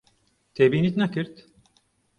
تێبینیت نەکرد؟